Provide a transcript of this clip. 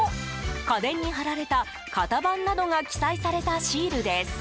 家電に貼られた型番などが記載されたシールです。